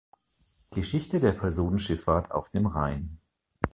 Geschichte der Personenschifffahrt auf dem Rhein